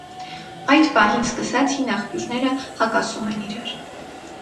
Այդ պահից սկսած հին աղբյուրները հակասում են իրար։